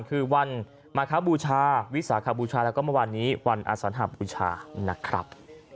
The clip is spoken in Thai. คือวันมาคบูชาวิสาขบูชาแล้วก็เมื่อวานนี้วันอสัญหาบูชานะครับ